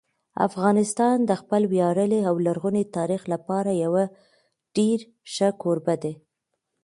افغانستان د خپل ویاړلي او لرغوني تاریخ لپاره یو ډېر ښه کوربه دی.